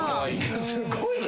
すごいね。